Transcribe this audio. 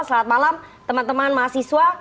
selamat malam teman teman mahasiswa